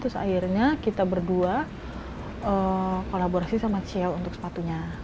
terus akhirnya kita berdua kolaborasi sama cio untuk sepatunya